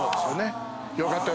よかった。